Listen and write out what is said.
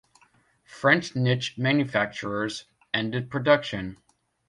French niche manufacturers ended production.